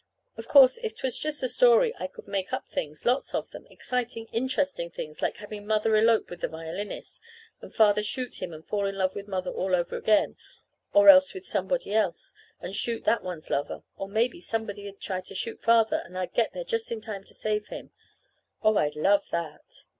_ Of course, if 'twas just a story I could make up things lots of them exciting, interesting things, like having Mother elope with the violinist, and Father shoot him and fall in love with Mother all over again, or else with somebody else, and shoot that one's lover. Or maybe somebody'd try to shoot Father, and I'd get there just in time to save him. Oh, I'd love that!